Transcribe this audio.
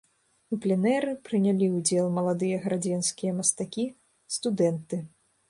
У пленэры прынялі ўдзел маладыя гарадзенскія мастакі, студэнты.